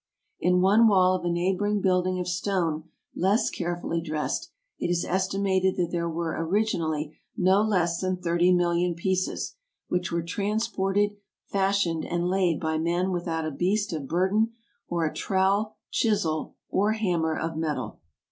In one wall of a neighboring building of stone less carefully dressed it is estimated that there were originally no less than thirty million pieces, which were transported, fashioned, and laid by men without a beast of burden or a trowel, chisel, or hammer of metal.